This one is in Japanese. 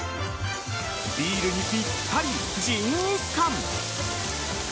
ビールにぴったりジンギスカン。